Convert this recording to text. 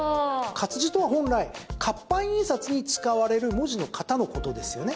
活字とは本来活版印刷に使われる文字の型のことですよね。